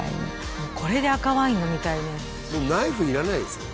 もうこれで赤ワイン飲みたいねもうナイフいらないですね